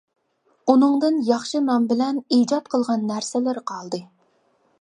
ئۇنىڭدىن ياخشى نام بىلەن ئىجاد قىلغان نەرسىلىرى قالدى.